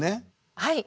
はい。